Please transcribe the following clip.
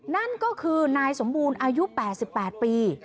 นั่นก็คือนายสมบูรณ์อายุ๘๘ปี